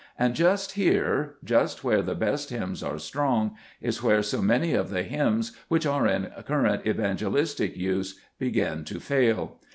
And just here, just where the best hymns are strong, is where so many of the hymns which are in current evangelistic use begin to fail.